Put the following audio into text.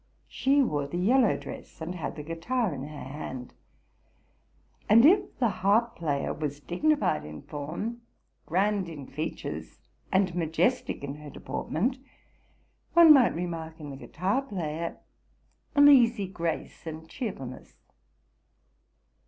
She wore the yellow dress, and had the guitar in her hand: and if the harp player was dignified in form, grand in features, and RELATING TO MY LIFE 49 majestic in her deportment, one might remark in the guitar player an easy grace and cheerfulness.